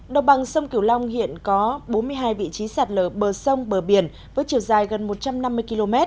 đồng bằng sông kiều long hiện có bốn mươi hai vị trí sạt lở bờ sông bờ biển với chiều dài gần một trăm năm mươi km